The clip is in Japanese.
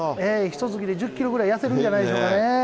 ひとつきで１０キロぐらい痩せるんじゃないでしょうかね。